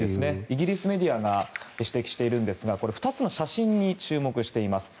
イギリスメディアが指摘しているんですが２つの写真に注目しています。